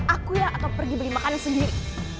aku yang akan pergi beli makanan sendiri